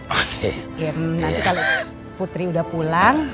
oke nanti kalau putri udah pulang